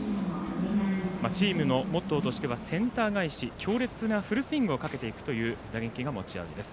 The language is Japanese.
チームのモットーとしてはセンター返し強力なフルスイングをかけていく打撃が持ち味です。